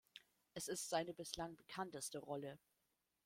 Es ist seine bislang bekannteste Rolle.